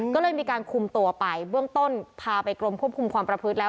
ก็เลยมีการคุมตัวไปเบื้องต้นพาไปกรมควบคุมความประพฤติแล้ว